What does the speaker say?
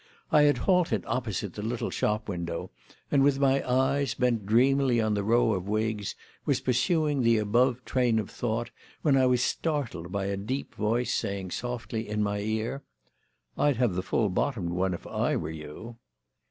I had halted opposite the little shop window, and, with my eyes bent dreamily on the row of wigs, was pursuing the above train of thought when I was startled by a deep voice saying softly in my ear: "I'd have the full bottomed one if I were you."